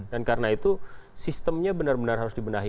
dan karena itu sistemnya benar benar harus dibenahi